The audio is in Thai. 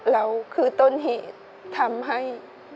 เราคือต้นเหตุทำให้